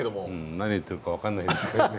何言ってるか分かんないですけどね。